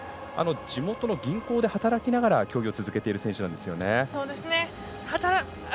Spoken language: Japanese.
地元の銀行で働きながら競技を続けている選手です。